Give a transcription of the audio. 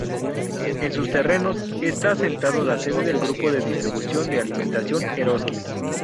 En sus terrenos está asentado la sede del grupo de distribución de alimentación Eroski.